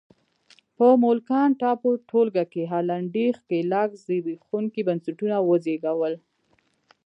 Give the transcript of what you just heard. په مولوکان ټاپو ټولګه کې هالنډي ښکېلاک زبېښونکي بنسټونه وزېږول.